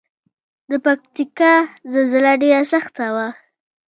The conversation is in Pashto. د پکتیکا زلزله ډیره سخته وه